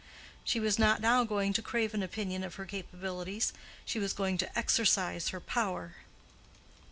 She was not now going to crave an opinion of her capabilities; she was going to exercise her power.